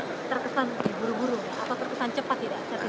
terkesan diburu buru atau terkesan cepat tidak